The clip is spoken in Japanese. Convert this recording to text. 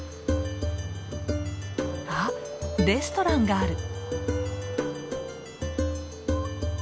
あレストランがある。